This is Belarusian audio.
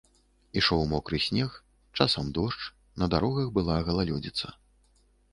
Ішоў мокры снег, часам дождж, на дарогах была галалёдзіца.